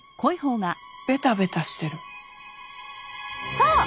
そう！